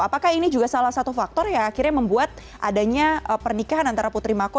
apakah ini juga salah satu faktor ya akhirnya membuat adanya pernikahan antara putri mako